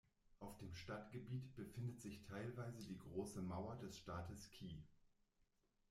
Auf dem Stadtgebiet befindet sich teilweise die Große Mauer des Staates Qi.